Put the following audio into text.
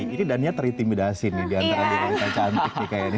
ini danya terintimidasi nih diantara diantara cantiknya kayak gini